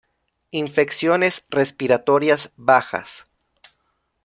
Infecciones respiratorias bajas.